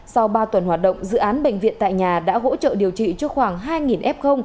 sau ba tuần hoạt động dự án bệnh viện tại nhà đã hỗ trợ điều trị cho khoảng hai f